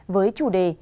với chủ đề